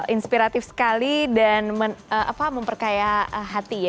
inspiratif sekali dan memperkaya hati ya